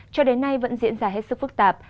cho đến nay vẫn diễn ra hết sức phức tạp